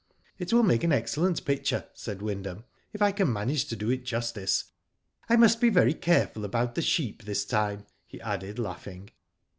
*' It will make an excellent picture," said Wyndham, "if I can manage to do it justice. I must be very careful about the sheep this time," he added, laughing.